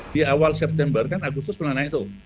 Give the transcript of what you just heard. di awal september kan agustus menanai itu